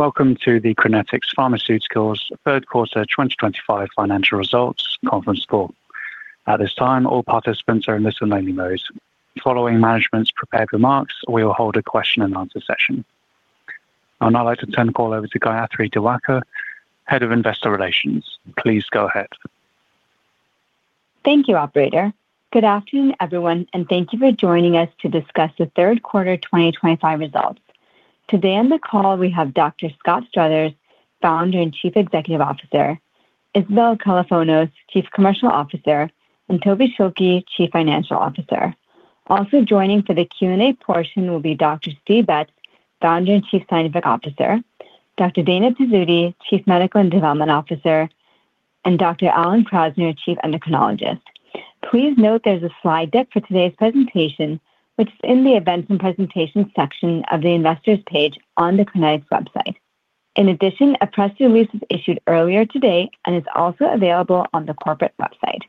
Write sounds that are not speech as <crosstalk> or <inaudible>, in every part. Welcome to the Crinetics Pharmaceuticals Third Quarter 2025 Financial Results Conference call. At this time, all participants are in listen-only mode. Following management's prepared remarks, we will hold a question-and-answer session. I'd now like to turn the call over to Gayathri Diwakar, Head of Investor Relations. Please go ahead. Thank you, Operator. Good afternoon, everyone, and thank you for joining us to discuss the Third Quarter 2025 results. Today on the call, we have Dr. Scott Struthers, Founder and Chief Executive Officer; Isabel Kalofonos, Chief Commercial Officer; and Toby Schilke, Chief Financial Officer. Also joining for the Q&A portion will be Dr. Steve Betz, Founder and Chief Scientific Officer; Dr. Dana Pizzuti, Chief Medical and Development Officer; and Dr. Alan Krasner, Chief Endocrinologist. Please note there's a slide deck for today's presentation, which is in the Events and Presentations section of the Investors page on the Crinetics website. In addition, a press release was issued earlier today and is also available on the corporate website.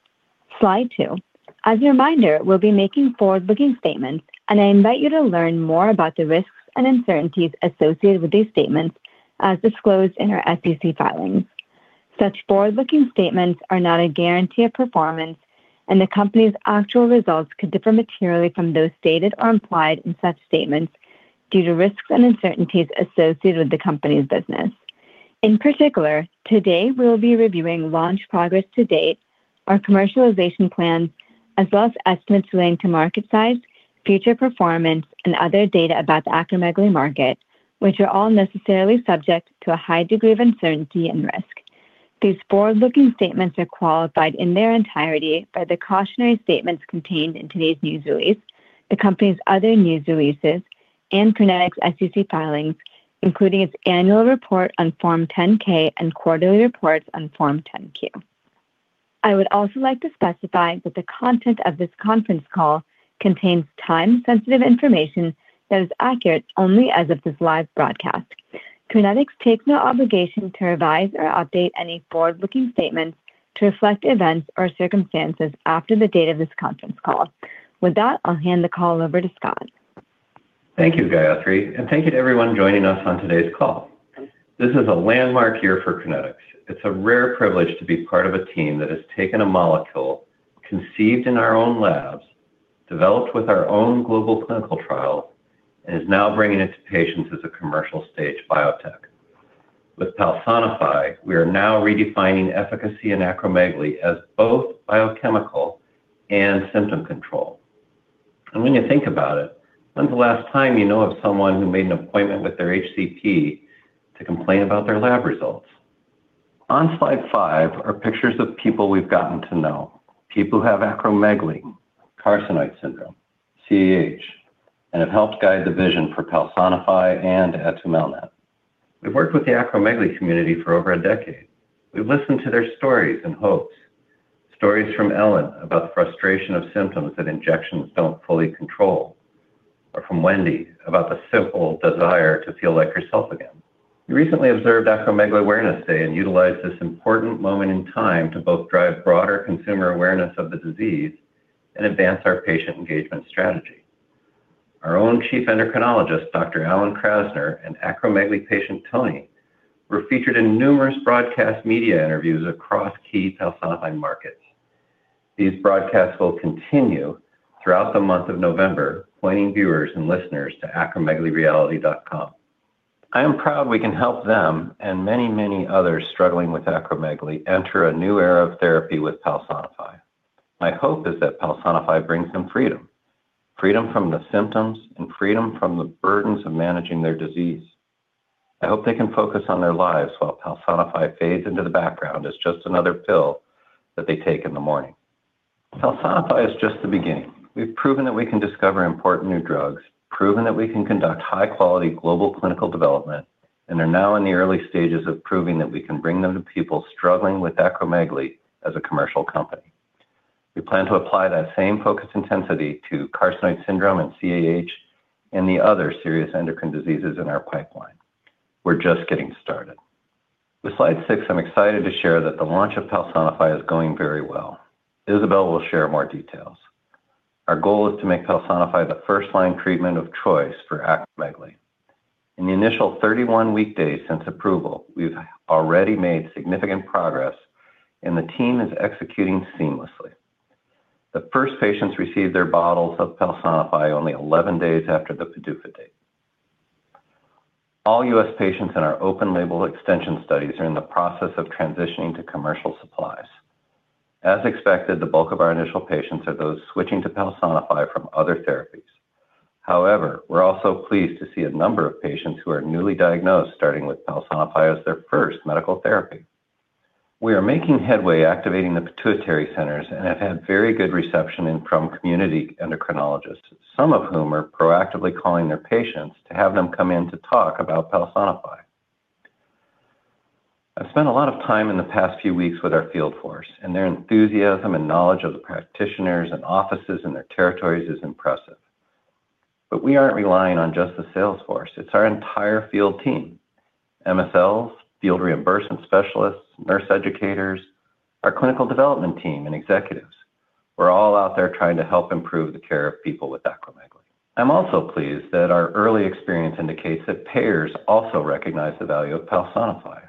Slide 2. As a reminder, we'll be making forward-looking statements, and I invite you to learn more about the risks and uncertainties associated with these statements as disclosed in our SEC filings. Such forward-looking statements are not a guarantee of performance, and the company's actual results could differ materially from those stated or implied in such statements due to risks and uncertainties associated with the company's business. In particular, today we will be reviewing launch progress to date, our commercialization plan, as well as estimates relating to market size, future performance, and other data about the academically market, which are all necessarily subject to a high degree of uncertainty and risk. These forward-looking statements are qualified in their entirety by the cautionary statements contained in today's news release, the company's other news releases, and Crinetics' SEC filings, including its annual report on Form 10-K and quarterly reports on Form 10-Q. I would also like to specify that the content of this conference call contains time-sensitive information that is accurate only as of this live broadcast. Crinetics takes no obligation to revise or update any forward-looking statements to reflect events or circumstances after the date of this conference call. With that, I'll hand the call over to Scott. Thank you, Gayathri, and thank you to everyone joining us on today's call. This is a landmark year for Crinetics. It's a rare privilege to be part of a team that has taken a molecule conceived in our own labs, developed with our own global clinical trials, and is now bringing it to patients as a commercial-stage biotech. With Palsanafy, we are now redefining efficacy and acromegaly as both biochemical and symptom control. And when you think about it, when's the last time you know of someone who made an appointment with their HCP to complain about their lab results? On slide 5 are pictures of people we've gotten to know, people who have acromegaly, carcinoid syndrome, CEH, and have helped guide the vision for Palsanafy and Etumelna. We've worked with the acromegaly community for over a decade. We've listened to their stories and hopes, stories from Ellen about the frustration of symptoms that injections don't fully control, or from Wendy about the simple desire to feel like yourself again. We recently observed Acromegaly Awareness Day and utilized this important moment in time to both drive broader consumer awareness of the disease and advance our patient engagement strategy. Our own chief endocrinologist, Dr. Alan Krasner, and acromegaly patient Tony were featured in numerous broadcast media interviews across key Palsanafy markets. These broadcasts will continue throughout the month of November, pointing viewers and listeners to acromegalyreality.com. I am proud we can help them and many, many others struggling with acromegaly enter a new era of therapy with Palsanafy. My hope is that Palsanafy brings them freedom, freedom from the symptoms and freedom from the burdens of managing their disease. I hope they can focus on their lives while Palsanafy fades into the background as just another pill that they take in the morning. Palsanafy is just the beginning. We've proven that we can discover important new drugs, proven that we can conduct high-quality global clinical development, and are now in the early stages of proving that we can bring them to people struggling with acromegaly as a commercial company. We plan to apply that same focus intensity to carcinoid syndrome and CEH and the other serious endocrine diseases in our pipeline. We're just getting started. With slide 6, I'm excited to share that the launch of Palsanafy is going very well. Isabel will share more details. Our goal is to make Palsanafy the first-line treatment of choice for acromegaly. In the initial 31 weekdays since approval, we've already made significant progress, and the team is executing seamlessly. The first patients received their bottles of Palsanafy only 11 days after the PDUFA date. All U.S. patients in our open-label extension studies are in the process of transitioning to commercial supplies. As expected, the bulk of our initial patients are those switching to Palsanafy from other therapies. However, we're also pleased to see a number of patients who are newly diagnosed starting with Palsanafy as their first medical therapy. We are making headway activating the pituitary centers and have had very good reception from community endocrinologists, some of whom are proactively calling their patients to have them come in to talk about Palsanafy. I've spent a lot of time in the past few weeks with our field force, and their enthusiasm and knowledge of the practitioners and offices in their territories is impressive. But we aren't relying on just the sales force. It's our entire field team: MSLs, field reimbursement specialists, nurse educators, our clinical development team, and executives. We're all out there trying to help improve the care of people with acromegaly. I'm also pleased that our early experience indicates that payers also recognize the value of Palsanafy.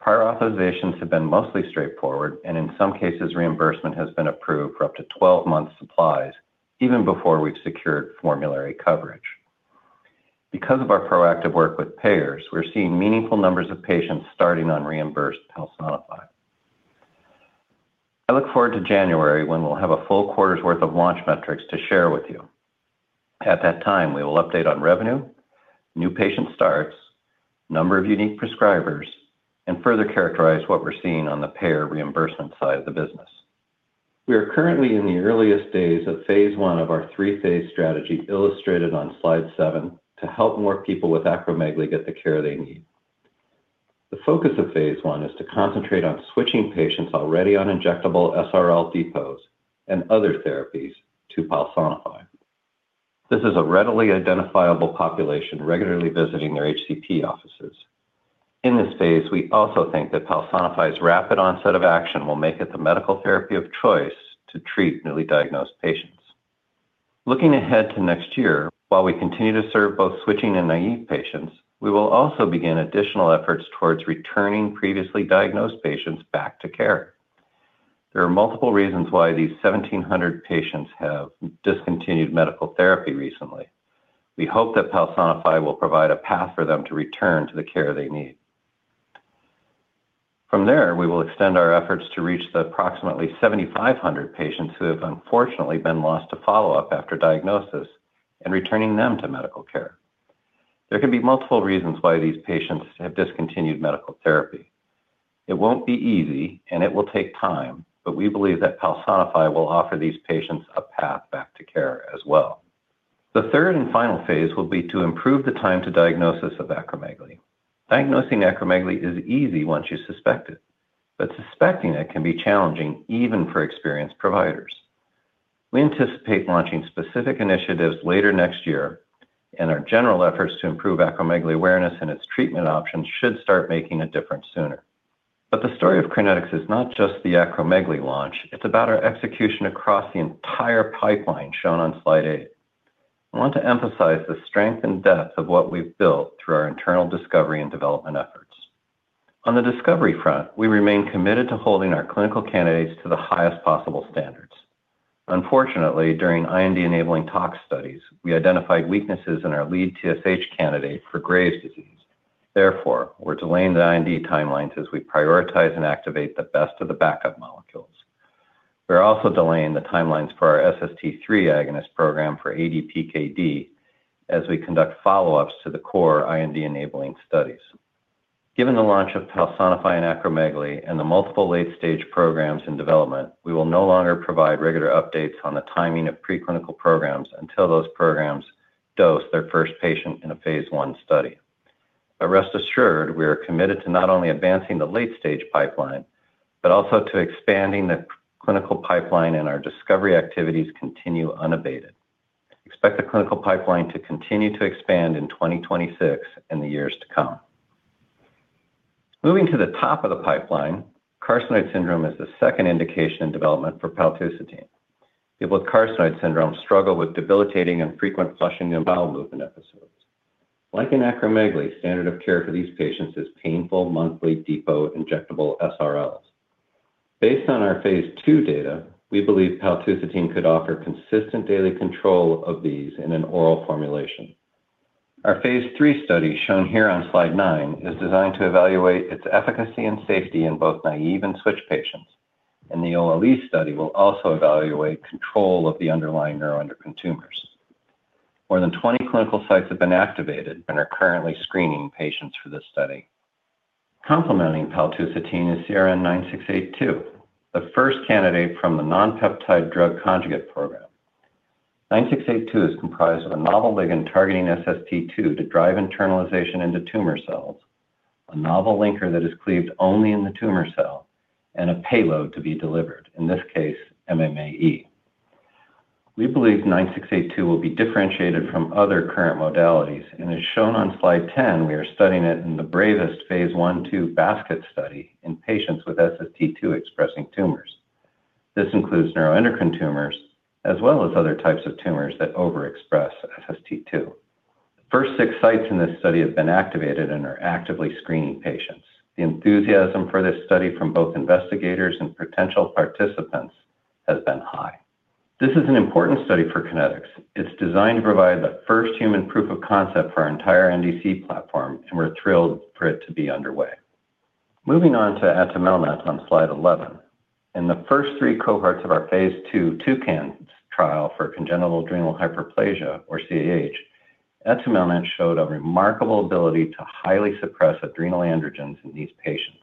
Prior authorizations have been mostly straightforward, and in some cases, reimbursement has been approved for up to 12-month supplies, even before we've secured formulary coverage. Because of our proactive work with payers, we're seeing meaningful numbers of patients starting on reimbursed Palsanafy. I look forward to January when we'll have a full quarter's worth of launch metrics to share with you. At that time, we will update on revenue, new patient starts, number of unique prescribers, and further characterize what we're seeing on the payer reimbursement side of the business. We are currently in the earliest days of phase I of our three-phase strategy illustrated on Slide 7 to help more people with acromegaly get the care they need. The focus of phase I is to concentrate on switching patients already on injectable SRL depots and other therapies to Palsanafy. This is a readily identifiable population regularly visiting their HCP offices. In this phase, we also think that Palsanafy's rapid onset of action will make it the medical therapy of choice to treat newly diagnosed patients. Looking ahead to next year, while we continue to serve both switching and naive patients, we will also begin additional efforts towards returning previously diagnosed patients back to care. There are multiple reasons why these 1,700 patients have discontinued medical therapy recently. We hope that Palsanafy will provide a path for them to return to the care they need. From there, we will extend our efforts to reach the approximately 7,500 patients who have unfortunately been lost to follow-up after diagnosis and returning them to medical care. There can be multiple reasons why these patients have discontinued medical therapy. It won't be easy, and it will take time, but we believe that Palsanafy will offer these patients a path back to care as well. The third and final phase will be to improve the time to diagnosis of acromegaly. Diagnosing acromegaly is easy once you suspect it, but suspecting it can be challenging even for experienced providers. We anticipate launching specific initiatives later next year, and our general efforts to improve acromegaly awareness and its treatment options should start making a difference sooner. The story of Crinetics is not just the acromegaly launch. It's about our execution across the entire pipeline shown on slide 8. I want to emphasize the strength and depth of what we've built through our internal discovery and development efforts. On the discovery front, we remain committed to holding our clinical candidates to the highest possible standards. Unfortunately, during IND-enabling talk studies, we identified weaknesses in our lead TSH candidate for Graves' disease. Therefore, we're delaying the IND timelines as we prioritize and activate the best of the backup molecules. We're also delaying the timelines for our SST-3 agonist program for ADPKD as we conduct follow-ups to the core IND-enabling studies. Given the launch of Palsanafy in acromegaly and the multiple late-stage programs in development, we will no longer provide regular updates on the timing of preclinical programs until those programs dose their first patient in a phase 1 study. But rest assured, we are committed to not only advancing the late-stage pipeline but also to expanding the clinical pipeline and our discovery activities continue unabated. Expect the clinical pipeline to continue to expand in 2026 and the years to come. Moving to the top of the pipeline, carcinoid syndrome is the second indication in development for paltusotine. People with carcinoid syndrome struggle with debilitating and frequent flushing and bowel movement episodes. Like in acromegaly, standard of care for these patients is painful monthly depot injectable SRLs. Based on our phase II data, we believe paltusotine could offer consistent daily control of these in an oral formulation. Our phase III study, shown here on slide 9, is designed to evaluate its efficacy and safety in both naive and switch patients, and the OLE study will also evaluate control of the underlying neuroendocrine tumors. More than 20 clinical sites have been activated and are currently screening patients for this study. Complementing paltusotine is CRN-9682, the first candidate from the non-peptide drug conjugate program. 9682 is comprised of a novel ligand targeting SST-2 to drive internalization into tumor cells, a novel linker that is cleaved only in the tumor cell, and a payload to be delivered, in this case, MMAE. We believe 9682 will be differentiated from other current modalities, and as shown on slide 10, we are studying it in the Bravest phase I, II basket study in patients with SST-2 expressing tumors. This includes neuroendocrine tumors as well as other types of tumors that overexpress SST-2. The first six sites in this study have been activated and are actively screening patients. The enthusiasm for this study from both investigators and potential participants has been high. This is an important study for Crinetics. It's designed to provide the first human proof of concept for our entire NDC platform, and we're thrilled for it to be underway. Moving on to Etumelna on slide 11. In the first three cohorts of our phase II TUCAN trial for congenital adrenal hyperplasia, or CAH, Etumelna showed a remarkable ability to highly suppress adrenal androgens in these patients.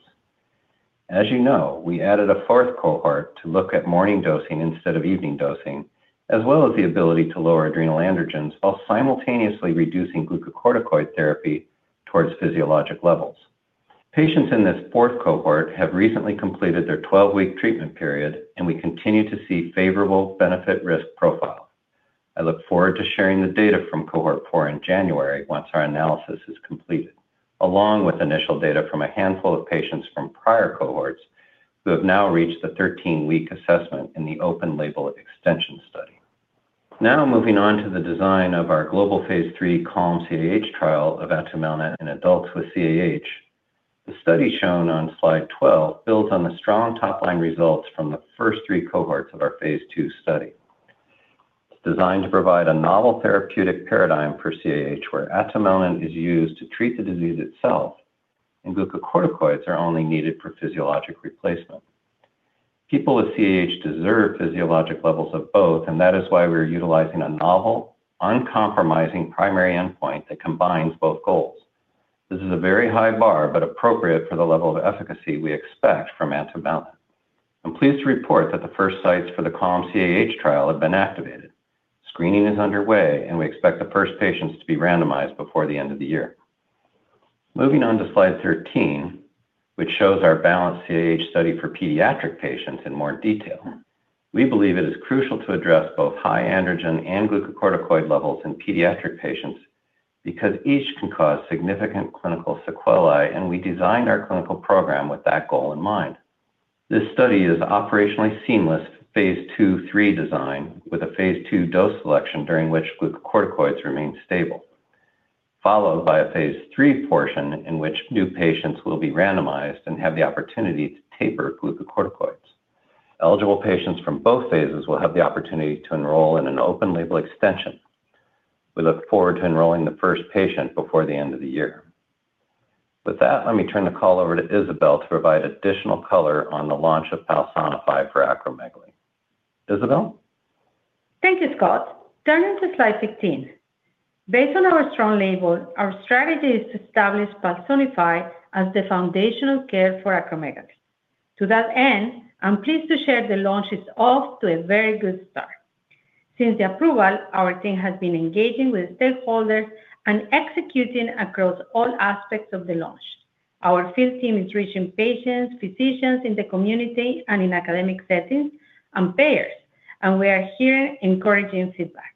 As you know, we added a fourth cohort to look at morning dosing instead of evening dosing, as well as the ability to lower adrenal androgens while simultaneously reducing glucocorticoid therapy towards physiologic levels. Patients in this fourth cohort have recently completed their 12-week treatment period, and we continue to see favorable benefit-risk profiles. I look forward to sharing the data from cohort 4 in January once our analysis is completed, along with initial data from a handful of patients from prior cohorts who have now reached the 13-week assessment in the open-label extension study. Now, moving on to the design of our global phase III CAH trial of Etumelna in adults with CAH, the study shown on slide 12 builds on the strong top-line results from the first three cohorts of our phase II study. It's designed to provide a novel therapeutic paradigm for CAH where Etumelna is used to treat the disease itself, and glucocorticoids are only needed for physiologic replacement. People with CAH deserve physiologic levels of both, and that is why we're utilizing a novel, uncompromising primary endpoint that combines both goals. This is a very high bar but appropriate for the level of efficacy we expect from Etumelna. I'm pleased to report that the first sites for the CAH trial have been activated. Screening is underway, and we expect the first patients to be randomized before the end of the year. Moving on to Slide 13, which shows our balanced CAH study for pediatric patients in more detail, we believe it is crucial to address both high androgen and glucocorticoid levels in pediatric patients because each can cause significant clinical sequelae, and we designed our clinical program with that goal in mind. This study is operationally seamless for phase II, III design, with a phase II dose selection during which glucocorticoids remain stable. Followed by a phase III portion in which new patients will be randomized and have the opportunity to taper glucocorticoids. Eligible patients from both phases will have the opportunity to enroll in an open-label extension. We look forward to enrolling the first patient before the end of the year. With that, let me turn the call over to Isabel to provide additional color on the launch of Palsanafy for acromegaly. Isabel? Thank you, Scott. Turning to slide 15. Based on our strong label, our strategy is to establish Palsanafy as the foundational care for acromegaly. To that end, I'm pleased to share the launch is off to a very good start. Since the approval, our team has been engaging with stakeholders and executing across all aspects of the launch. Our field team is reaching patients, physicians in the community and in academic settings, and payers, and we are hearing encouraging feedback.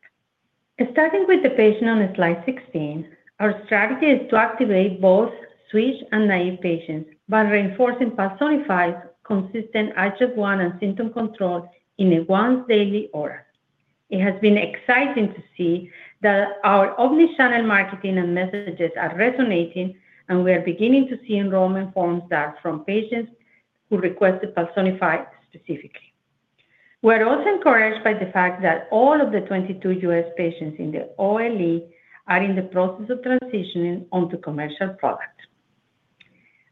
Starting with the patient on slide 16, our strategy is to activate both switch and naive patients by reinforcing Palsanafy's consistent IGF-1 and symptom control in a once-daily order. It has been exciting to see that our omnichannel marketing and messages are resonating, and we are beginning to see enrollment forms that are from patients who requested Palsanafy specifically. We are also encouraged by the fact that all of the 22 U.S. patients in the OLE are in the process of transitioning onto commercial product.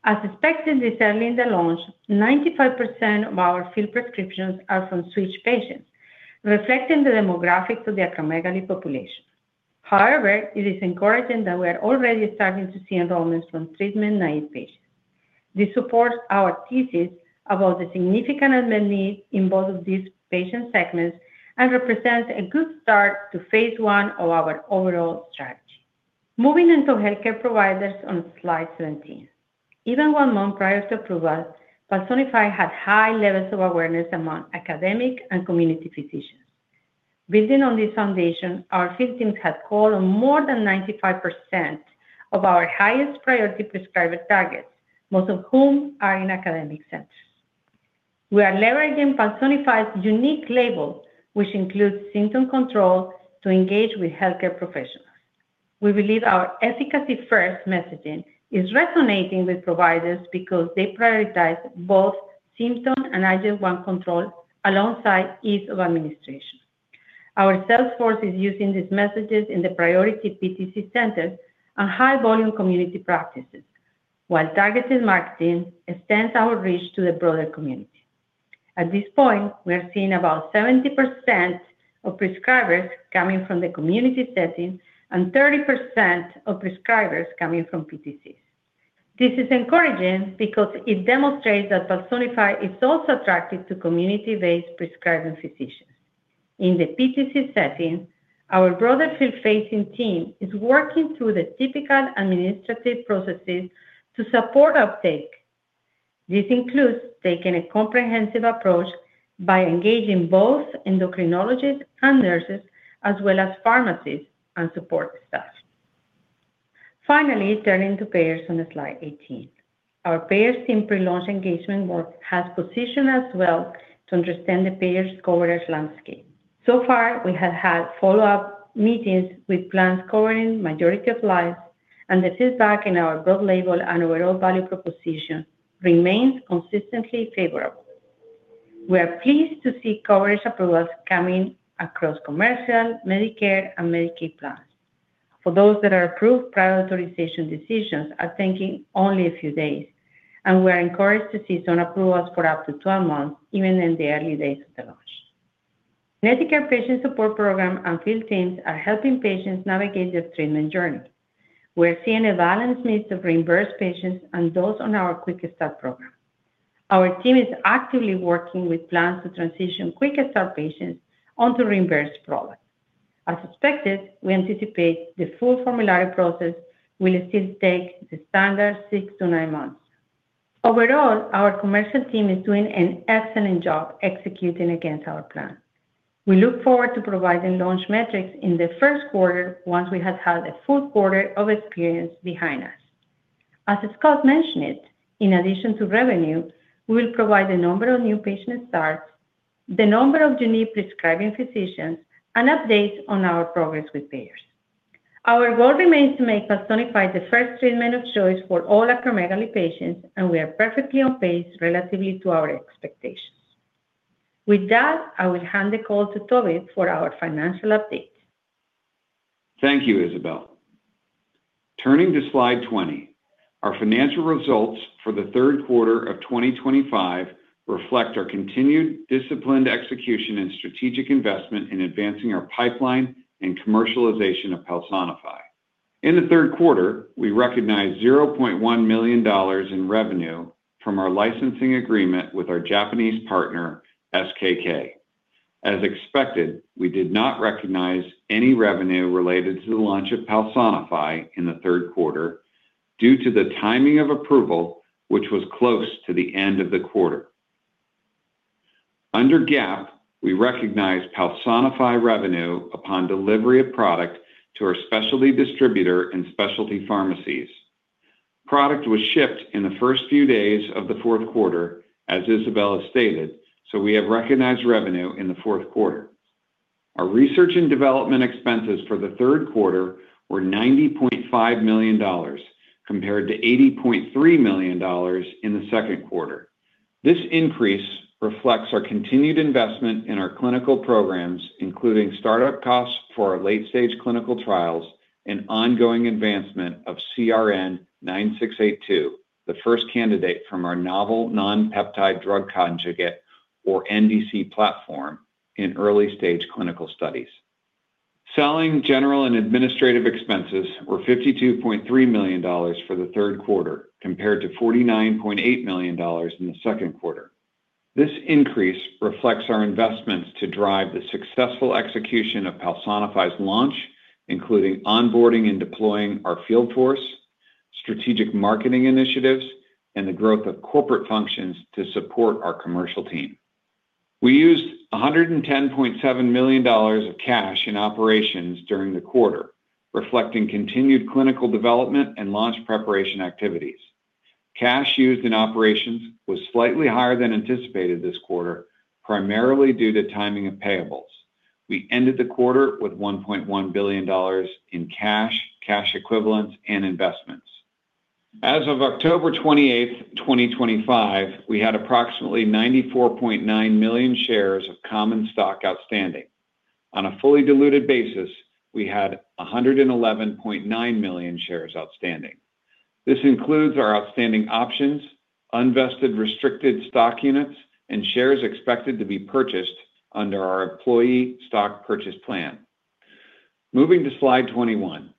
As expected this early in the launch, 95% of our field prescriptions are from switch patients, reflecting the demographics of the acromegaly population. However, it is encouraging that we are already starting to see enrollments from treatment-naive patients. This supports our thesis about the significant unmet need in both of these patient segments and represents a good start to phase I of our overall strategy. Moving into healthcare providers on slide 17. Even one month prior to approval, Palsanafy had high levels of awareness among academic and community physicians. Building on this foundation, our field teams had called on more than 95% of our highest priority prescriber targets, most of whom are in academic centers. We are leveraging Palsanafy's unique label, which includes symptom control to engage with healthcare professionals. We believe our efficacy-first messaging is resonating with providers because they prioritize both symptom and IGF-1 control alongside ease of administration. Our sales force is using these messages in the priority PTC centers and high-volume community practices, while targeted marketing extends our reach to the broader community. At this point, we are seeing about 70% of prescribers coming from the community setting and 30% of prescribers coming from PTCs. This is encouraging because it demonstrates that Palsanafy is also attractive to community-based prescribing physicians. In the PTC setting, our broader field-facing team is working through the typical administrative processes to support uptake. This includes taking a comprehensive approach by engaging both endocrinologists and nurses, as well as pharmacies and support staff. Finally, turning to payers on slide 18. Our payers team pre-launch engagement work has positioned us well to understand the payers' coverage landscape. So far, we have had follow-up meetings with plans covering majority of lives, and the feedback in our broad label and overall value proposition remains consistently favorable. We are pleased to see coverage approvals coming across commercial, Medicare, and Medicaid plans. For those that are approved, prior authorization decisions are taking only a few days, and we are encouraged to see some approvals for up to 12 months, even in the early days of the launch. Medicare Patient Support Program and field teams are helping patients navigate their treatment journey. We are seeing a balanced mix of reimbursed patients and those on our Quick Start program. Our team is actively working with plans to transition Quick Start patients onto reimbursed products. As expected, we anticipate the full formulary process will still take the standard six to nine months. Overall, our commercial team is doing an excellent job executing against our plan. We look forward to providing launch metrics in the first quarter once we have had a full quarter of experience behind us. As Scott mentioned, in addition to revenue, we will provide the number of new patient starts, the number of unique prescribing physicians, and updates on our progress with payers. Our goal remains to make Palsanafy the first treatment of choice for all acromegaly patients, and we are perfectly on pace relatively to our expectations. With that, I will hand the call to Toby for our financial update. Thank you, Isabel. Turning to slide 20, our financial results for the third quarter of 2025 reflect our continued disciplined execution and strategic investment in advancing our pipeline and commercialization of Palsanafy. In the third quarter, we recognized $0.1 million in revenue from our licensing agreement with our Japanese partner, SKK. As expected, we did not recognize any revenue related to the launch of Palsanafy in the third quarter due to the timing of approval, which was close to the end of the quarter. Under GAAP, we recognized Palsanafy revenue upon delivery of product to our specialty distributor and specialty pharmacies. Product was shipped in the first few days of the fourth quarter, as Isabel has stated, so we have recognized revenue in the fourth quarter. Our research and development expenses for the third quarter were $90.5 million, compared to $80.3 million in the second quarter. This increase reflects our continued investment in our clinical programs, including startup costs for our late-stage clinical trials and ongoing advancement of CRN-9682, the first candidate from our novel non-peptide drug conjugate, or NDC, platform in early-stage clinical studies. Selling general and administrative expenses were $52.3 million for the third quarter, compared to $49.8 million in the second quarter. This increase reflects our investments to drive the successful execution of Palsanafy's launch, including onboarding and deploying our field force, strategic marketing initiatives, and the growth of corporate functions to support our commercial team. We used $110.7 million of cash in operations during the quarter, reflecting continued clinical development and launch preparation activities. Cash used in operations was slightly higher than anticipated this quarter, primarily due to timing of payables. We ended the quarter with $1.1 billion in cash, cash equivalents, and investments. As of October 28, 2025, we had approximately 94.9 million shares of common stock outstanding. On a fully diluted basis, we had 111.9 million shares outstanding. This includes our outstanding options, unvested restricted stock units, and shares expected to be purchased under our employee stock purchase plan. Moving to slide 21,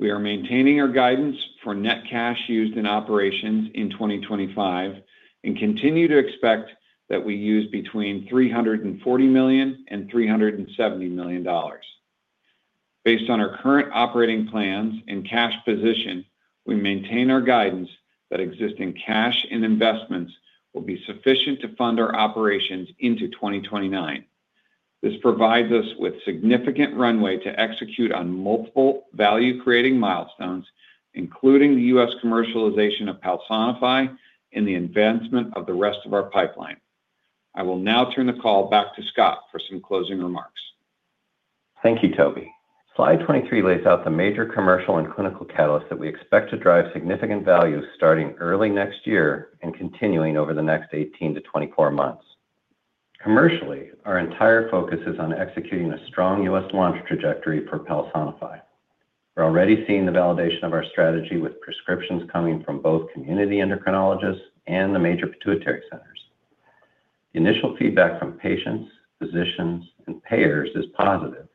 we are maintaining our guidance for net cash used in operations in 2025 and continue to expect that we use between $340 million and $370 million. Based on our current operating plans and cash position, we maintain our guidance that existing cash and investments will be sufficient to fund our operations into 2029. This provides us with significant runway to execute on multiple value-creating milestones, including the U.S. commercialization of Palsanafy and the advancement of the rest of our pipeline. I will now turn the call back to Scott for some closing remarks. Thank you, Toby. Slide 23 lays out the major commercial and clinical catalysts that we expect to drive significant value starting early next year and continuing over the next 18-24 months. Commercially, our entire focus is on executing a strong U.S. launch trajectory for Palsanafy. We're already seeing the validation of our strategy with prescriptions coming from both community endocrinologists and the major pituitary centers. Initial feedback from patients, physicians, and payers is positive.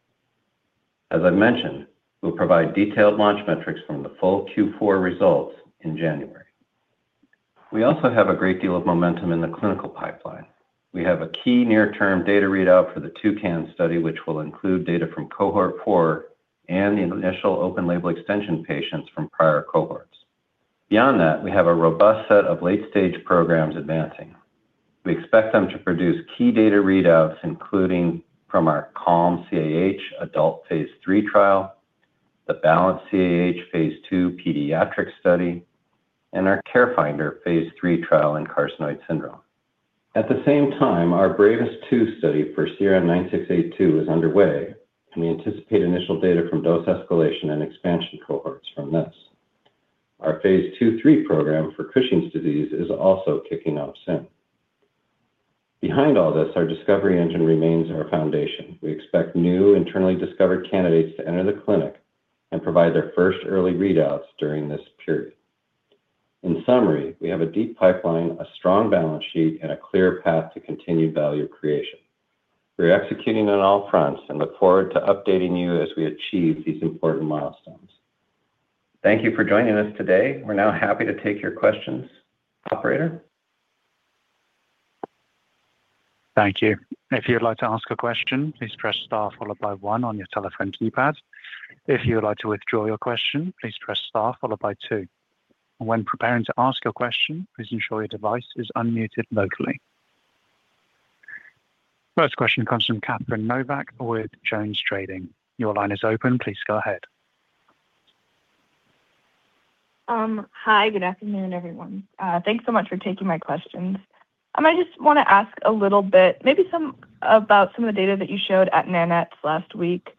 As I mentioned, we'll provide detailed launch metrics from the full Q4 results in January. We also have a great deal of momentum in the clinical pipeline. We have a key near-term data readout for the Toucan study, which will include data from cohort four and the initial open-label extension patients from prior cohorts. Beyond that, we have a robust set of late-stage programs advancing. We expect them to produce key data readouts, including from our CAH adult III three trial, the balanced CAH phase II pediatric study, and our CareFinder phase III trial in carcinoid syndrome. At the same time, our Bravus 2 study for CRN-9682 is underway, and we anticipate initial data from dose escalation and expansion cohorts from this. Our phase II, III program for Cushing's disease is also kicking off soon. Behind all this, our discovery engine remains our foundation. We expect new internally discovered candidates to enter the clinic and provide their first early readouts during this period. In summary, we have a deep pipeline, a strong balance sheet, and a clear path to continued value creation. We're executing on all fronts and look forward to updating you as we achieve these important milestones. Thank you for joining us today. We're now happy to take your questions. Operator? Thank you. If you'd like to ask a question, please press star followed by one on your telephone keypad. If you would like to withdraw your question, please press star followed by two. When preparing to ask your question, please ensure your device is unmuted locally. First question comes from Catherine Novack with Jones Trading. Your line is open. Please go ahead. Hi. Good afternoon, everyone. Thanks so much for taking my questions. I just want to ask a little bit, maybe some about some of the data that you showed at NANETS last week.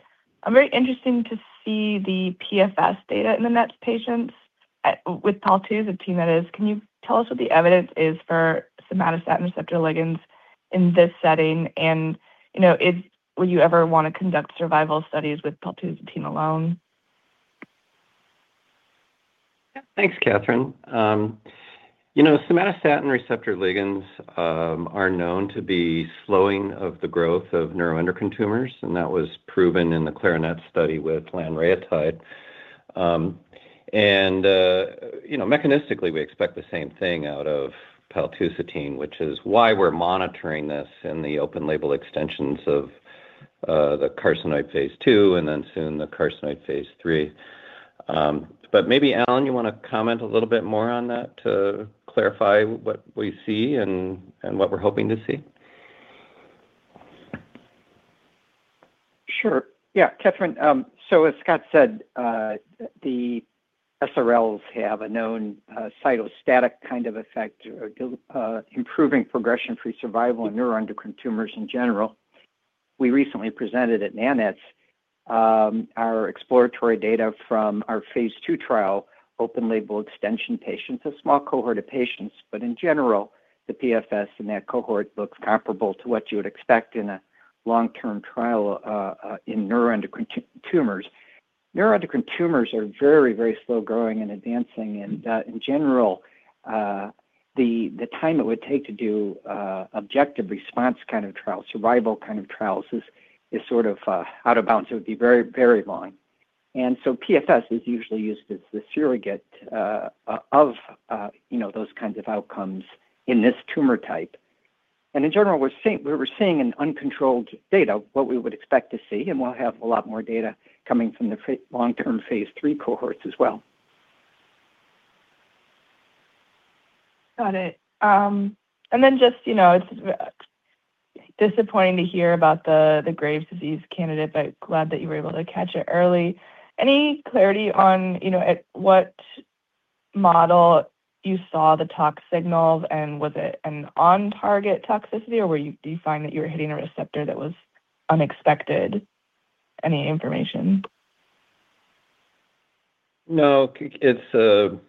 I'm very interested to see the PFS data in the NANETS patients with Paltuzatine that is. Can you tell us what the evidence is for somatostatin receptor ligands in this setting? And. Would you ever want to conduct survival studies with Paltuzatine alone? Thanks, Catherine. Somatostatin receptor ligands are known to be slowing of the growth of neuroendocrine tumors, and that was proven in the Clarinet study with Lanreotide. And. Mechanistically, we expect the same thing out of Paltusotine, which is why we're monitoring this in the open-label extensions of. The carcinoid phase II and then soon the carcinoid phase III. But maybe, Alan, you want to comment a little bit more on that to clarify what we see and what we're hoping to see? Sure. Yeah, Catherine, so as Scott said. The SRLs have a known cytostatic kind of effect, improving progression-free survival in neuroendocrine tumors in general. We recently presented at NANETS. Our exploratory data from our phase II trial open-label extension patients, a small cohort of patients, but in general, the PFS in that cohort looks comparable to what you would expect in a long-term trial. In neuroendocrine tumors. Neuroendocrine tumors are very, very slow growing and advancing. And in general. The time it would take to do. Objective response kind of trials, survival kind of trials, is sort of out of bounds. It would be very, very long. And so PFS is usually used as the surrogate. Of those kinds of outcomes in this tumor type. And in general, we're seeing an uncontrolled data, what we would expect to see, and we'll have a lot more data coming from the long-term phase three cohorts as well. Got it. And then just. It's. Disappointing to hear about the Graves' disease candidate, but glad that you were able to catch it early. Any clarity on. What. Model you saw the tox signals? And was it an on-target toxicity, or do you find that you were hitting a receptor that was unexpected? Any information? No. It's an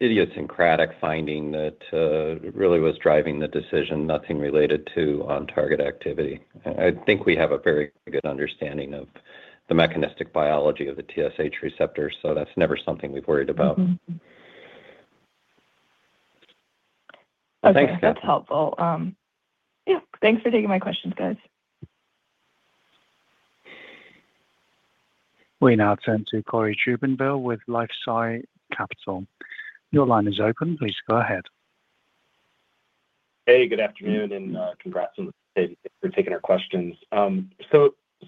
idiosyncratic finding that really was driving the decision, nothing related to on-target activity. I think we have a very good understanding of the mechanistic biology of the TSH receptor, so that's never something we've worried about. Thanks, Catherine. That's helpful. Yeah. Thanks for taking my questions, guys. We now turn to Corey Trubenville with LifeSci Capital. Your line is open. Please go ahead. Hey, good afternoon, and congrats on taking our questions.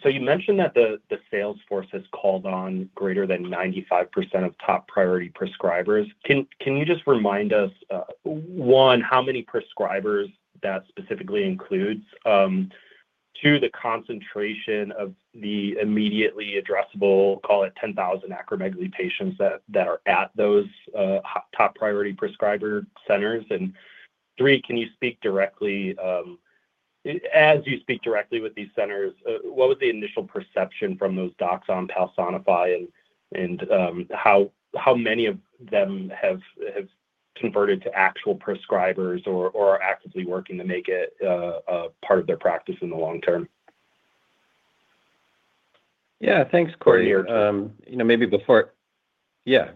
So you mentioned that the sales force has called on greater than 95% of top priority prescribers. Can you just remind us. One, how many prescribers that specifically includes. Two, the concentration of the immediately addressable, call it 10,000 acromegaly patients that are at those top priority prescriber centers? And three, can you speak directly. As you speak directly with these centers, what was the initial perception from those docs on Palsanafy, and how many of them have. Converted to actual prescribers or are actively working to make it a part of their practice in the long term? Yeah. Thanks, Corey. Maybe before. Yeah.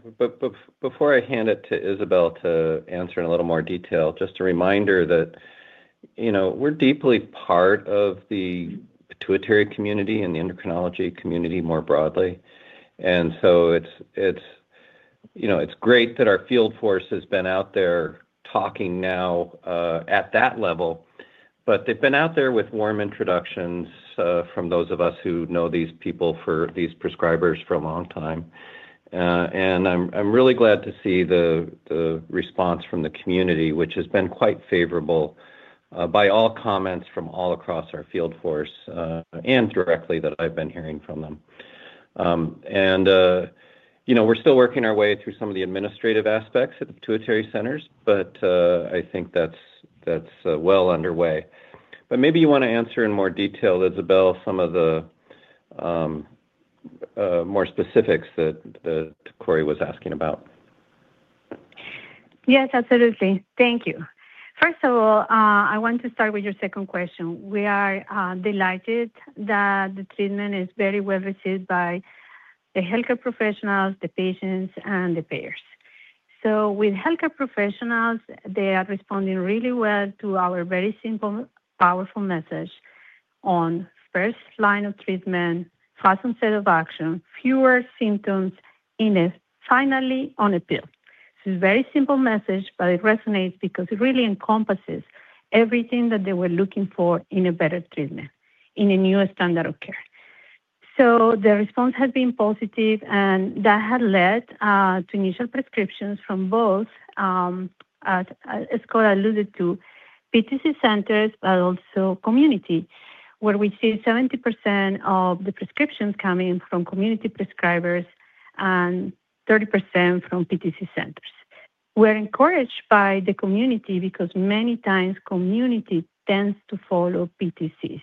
Before I hand it to Isabel to answer in a little more detail, just a reminder that. We're deeply part of the pituitary community and the endocrinology community more broadly. And so. It's great that our field force has been out there talking now. At that level, but they've been out there with warm introductions from those of us who know these people for these prescribers for a long time. And I'm really glad to see the. Response from the community, which has been quite favorable. By all comments from all across our field force and directly that I've been hearing from them. And. We're still working our way through some of the administrative aspects at the pituitary centers, but I think that's. Well underway. But maybe you want to answer in more detail, Isabel, some of the. More specifics that. Corey was asking about. Yes, absolutely. Thank you. First of all, I want to start with your second question. We are delighted that the treatment is very well received by. The healthcare professionals, the patients, and the payers. So with healthcare professionals, they are responding really well to our very simple, powerful message on first line of treatment, first set of action, fewer symptoms, and finally on a pill. It's a very simple message, but it resonates because it really encompasses everything that they were looking for in a better treatment, in a newer standard of care. So the response has been positive, and that has led to initial prescriptions from both. As Scott alluded to, PTC centers, but also community, where we see 70% of the prescriptions coming from community prescribers and 30% from PTC centers. We're encouraged by the community because many times community tends to follow PTCs.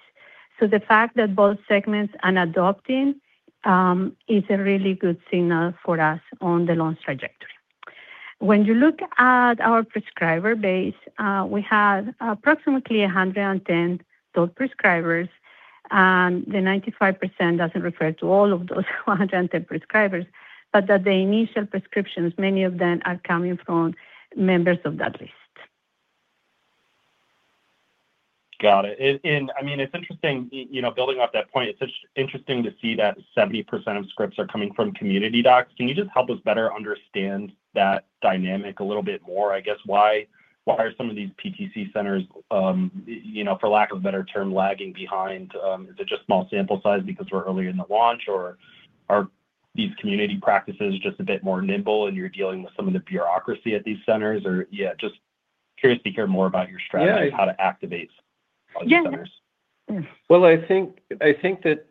So the fact that fsegments are adopting. Is a really good signal for us on the launch trajectory. When you look at our prescriber base, we have approximately 110 top prescribers, and the 95% doesn't refer to all of those 110 prescribers, but that the initial prescriptions, many of them are coming from members of that list. Got it. And I mean, it's interesting building off that point. It's interesting to see that 70% of scripts are coming from community docs. Can you just help us better understand that dynamic a little bit more? I guess, why are some of these PTC centers. For lack of a better term, lagging behind? Is it just small sample size because we're early in the launch, or are these community practices just a bit more nimble, and you're dealing with some of the bureaucracy at these centers? Or yeah, just curious to hear more about your strategy and how to activate all these centers. Well, I think that.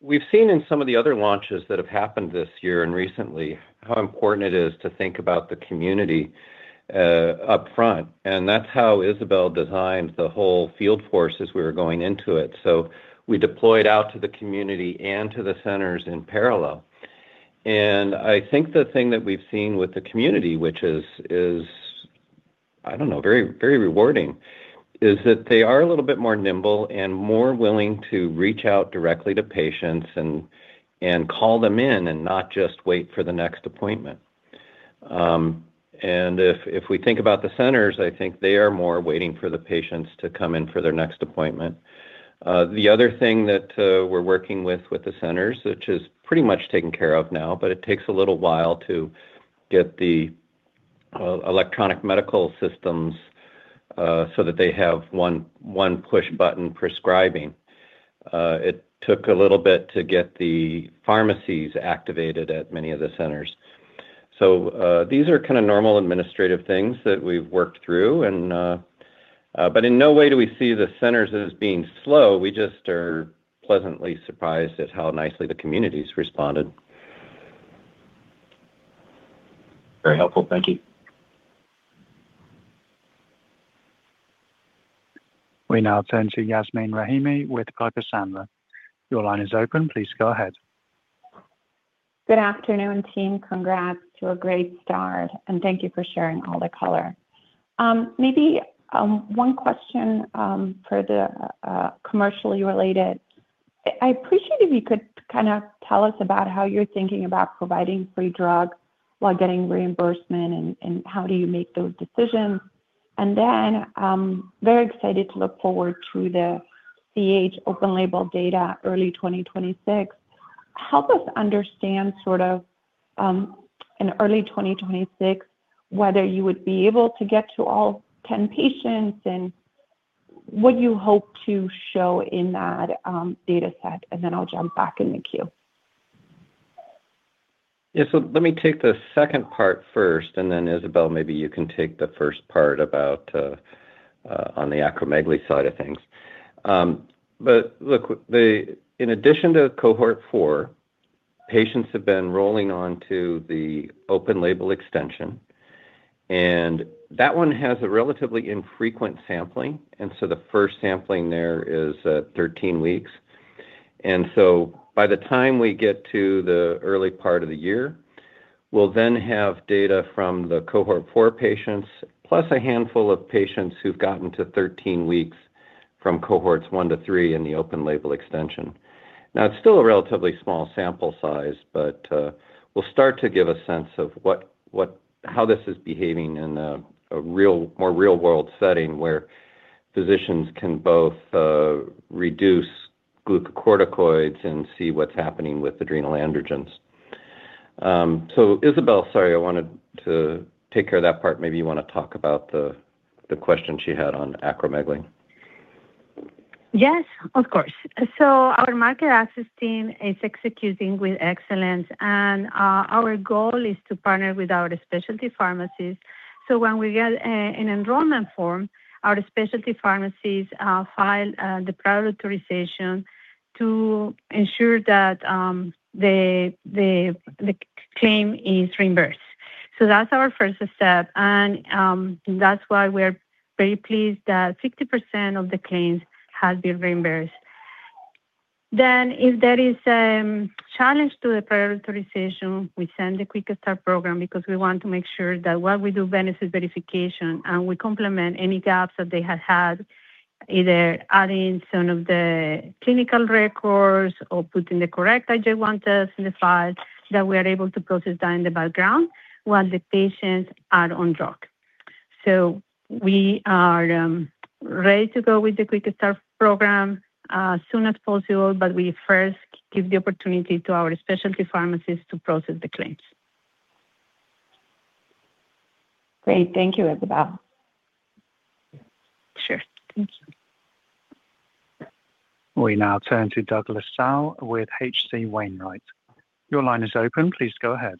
We've seen in some of the other launches that have happened this year and recently how important it is to think about the community. Upfront. And that's how Isabel designed the whole field force as we were going into it. So we deployed out to the community and to the centers in parallel. And I think the thing that we've seen with the community, which is. I don't know, very rewarding, is that they are a little bit more nimble and more willing to reach out directly to patients and. Call them in and not just wait for the next appointment. And if we think about the centers, I think they are more waiting for the patients to come in for their next appointment. The other thing that we're working with with the centers, which is pretty much taken care of now, but it takes a little while to get the. Electronic medical systems. So that they have one push button prescribing. It took a little bit to get the pharmacies activated at many of the centers. So these are kind of normal administrative things that we've worked through. But in no way do we see the centers as being slow. We just are pleasantly surprised at how nicely the communities responded. Very helpful. Thank you. We now turn to Yasmeen Rahimi with Piper Sandler. Your line is open. Please go ahead. Good afternoon, team. Congrats to a great start. And thank you for sharing all the color. Maybe. One question for the commercially related. I appreciate if you could kind of tell us about how you're thinking about providing free drug while getting reimbursement, and how do you make those decisions. And then. I'm very excited to look forward to the. CAH open-label data early 2026. Help us understand sort of. In early 2026, whether you would be able to get to all 10 patients and. What you hope to show in that. Data set. And then I'll jump back in the queue. Yeah. So let me take the second part first, and then, Isabel, maybe you can take the first part about. On the acromegaly side of things. But look. In addition to cohort four. Patients have been rolling onto the open-label extension. And that one has a relatively infrequent sampling. And so the first sampling there is at 13 weeks. And so by the time we get to the early part of the year, we'll then have data from the cohort four patients, plus a handful of patients who've gotten to 13 weeks from cohorts one to three in the open-label extension. Now, it's still a relatively small sample size, but we'll start to give a sense of. How this is behaving in a more real-world setting where physicians can both. Reduce glucocorticoids and see what's happening with adrenal androgens. So Isabel, sorry, I wanted to take care of that part. Maybe you want to talk about the question she had on acromegaly. Yes, of course. So our market assess team is executing with excellence. And our goal is to partner with our specialty pharmacies. So when we get an enrollment form, our specialty pharmacies file the prior authorization to ensure that. The. Claim is reimbursed. So that's our first step. And that's why we're very pleased that 50% of the claims have been reimbursed. Then, if there is a challenge to the prior authorization, we send the Quick Start program because we want to make sure that while we do benefit verification and we complement any gaps that they have had. Either adding some of the clinical records or putting the correct IJ1 test in the file, that we are able to process that in the background while the patients are on drug. So we are. Ready to go with the Quick Start program. As soon as possible, but we first give the opportunity to our specialty pharmacies to process the claims. Great. Thank you, Isabel. Sure. Thank you. We now turn to Douglas Tsao with H.C. Wainwright. Your line is open. Please go ahead.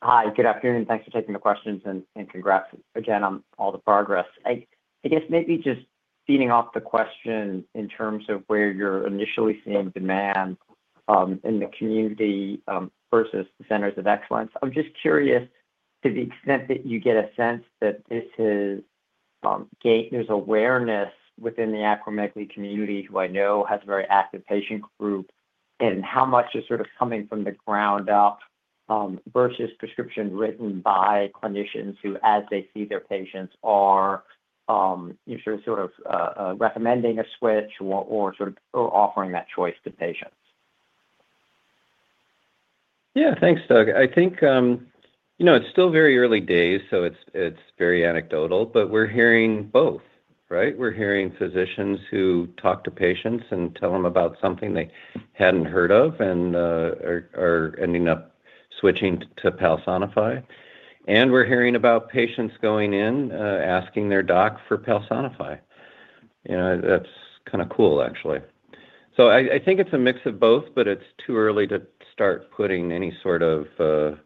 Hi. Good afternoon. Thanks for taking the questions and congrats again on all the progress. I guess maybe just feeding off the question in terms of where you're initially seeing demand. In the community versus centers of excellence. I'm just curious to the extent that you get a sense that this is. There's awareness within the acromegaly community, who I know has a very active patient group, and how much is sort of coming from the ground up. Versus prescription written by clinicians who, as they see their patients, are. Sort of recommending a switch or sort of offering that choice to patients. Yeah. Thanks, Doug. I think. It's still very early days, so it's very anecdotal, but we're hearing both, right? We're hearing physicians who talk to patients and tell them about something they hadn't heard of and. Are ending up switching to Palsanafy. And we're hearing about patients going in asking their doc for Palsanafy. That's kind of cool, actually. So I think it's a mix of both, but it's too early to start putting any sort of.